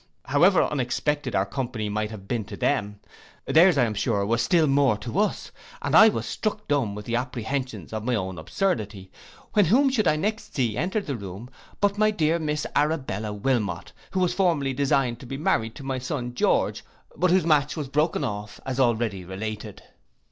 However unexpected our company might be to them, theirs, I am sure, was still more so to us, and I was struck dumb with the apprehensions of my own absurdity, when whom should I next see enter the room but my dear miss Arabella Wilmot, who was formerly designed to be married to my son George; but whose match was broken off, as already related.